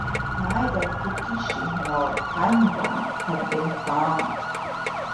Neither "fukiishi" nor "haniwa" have been found.